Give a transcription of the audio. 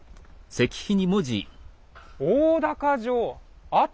「大高城跡」。